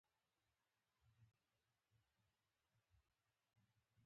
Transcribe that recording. الله ته ځان نیژدې کړه ځکه دټولومشکلاتو سبب له الله ج په لرې والي